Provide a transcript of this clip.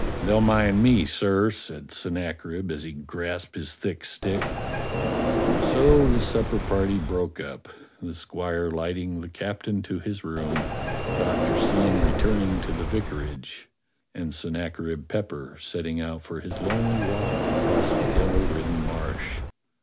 "They'll mind me, sir," said Sennacherib as he grasped his thick stick. And so the supper party broke up: the squire lighting the captain to his room; Doctor Syn returning to the vicarage; and Sennacherib Pepper CLEGG THE BUCCANEER 55 setting out for his lonely walk across the devil ridden Marsh.